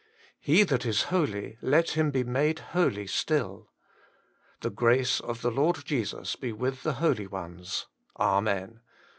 He that is holy, let him be made holy still. ... The grace of the Lord Jesus be with the holy ones. Amen.'